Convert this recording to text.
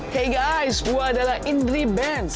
key guys gue adalah indri benz